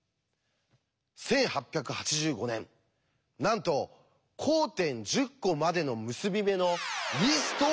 １８８５年なんと交点１０コまでの結び目のリストを作ったっていうんです。